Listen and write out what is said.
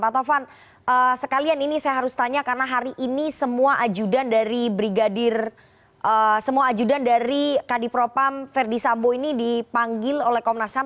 pak tovan sekalian ini saya harus tanya karena hari ini semua ajudan dari brigadir semua ajudan dari kadipropam verdi sambo ini dipanggil oleh komnas ham